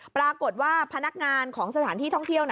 ปรากฏว่าพนักงานของสถานที่ท่องเที่ยว